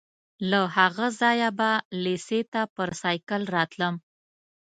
له هغه ځایه به لېسې ته پر سایکل راتلم.